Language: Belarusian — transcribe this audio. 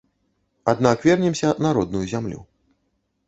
Аднак вернемся на родную зямлю.